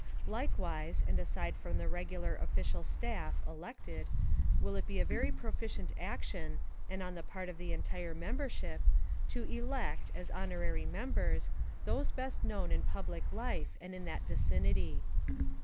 Likewise, and aside from the regular official staff (elected) will it be a very proficient action, and on the part of the entire membership, to elect, as honorary members, those best known in public life and in that vicinity.